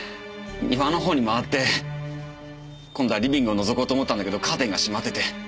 庭の方に回って今度はリビングをのぞこうと思ったんだけどカーテンが閉まってて。